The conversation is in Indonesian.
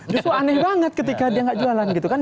justru aneh banget ketika dia nggak jualan gitu kan